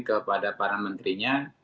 kepada para menterinya